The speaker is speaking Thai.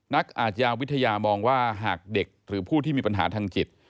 อาชญาวิทยามองว่าหากเด็กหรือผู้ที่มีปัญหาทางจิต